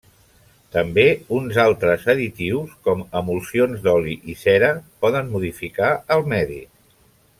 També uns altres additius com emulsions d'oli i cera poden modificar el medi.